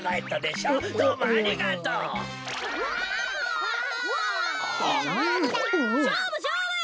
しょうぶしょうぶ！